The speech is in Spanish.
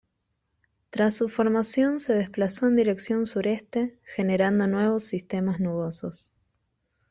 Tras su formación se desplazó en dirección sureste generando nuevos sistemas nubosos.